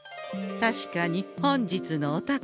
確かに本日のお宝